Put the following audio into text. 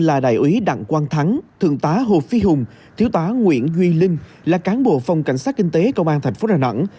là đại úy đặng quang thắng thượng tá hồ phi hùng thiếu tá nguyễn duy linh là cán bộ phòng cảnh sát kinh tế công an tp đà nẵng